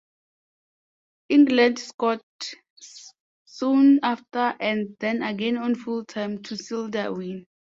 England scored soon after and then again on full time to seal their win.